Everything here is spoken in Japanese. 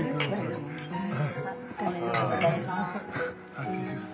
８０歳。